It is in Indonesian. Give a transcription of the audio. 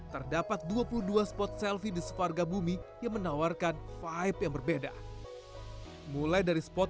terdapat dua puluh dua spot selfie di sewarga bumi yang menawarkan vibe yang berbeda mulai dari spot